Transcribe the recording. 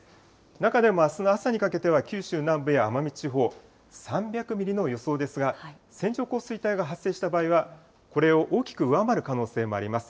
中でもあすの朝にかけては九州南部や奄美地方、３００ミリの予想ですが、線状降水帯が発生した場合は、これを大きく上回る可能性もあります。